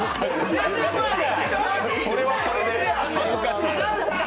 それはそれで恥ずかしい。